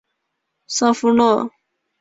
萨夫洛。